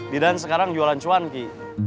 di dan sekarang jualan cuan ki